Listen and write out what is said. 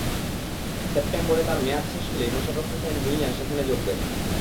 সেপ্টেম্বরে তাঁর মেয়াদ শেষ হলেই মোশাররাফ হোসাইন ভূইঞা সেখানে যোগ দেবেন।